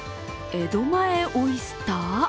江戸前オイスター？